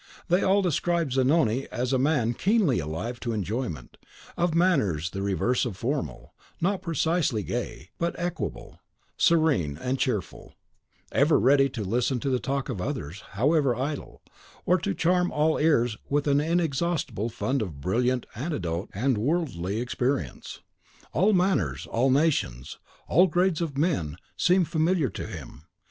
They all described Zanoni as a man keenly alive to enjoyment: of manners the reverse of formal, not precisely gay, but equable, serene, and cheerful; ever ready to listen to the talk of others, however idle, or to charm all ears with an inexhaustible fund of brilliant anecdote and worldly experience. All manners, all nations, all grades of men, seemed familiar to him.